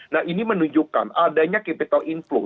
nah ini menunjukkan adanya capital inflow